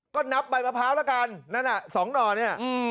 ก็นับใบมะพร้าวละกันนั่นน่ะสองหน่อเนี่ย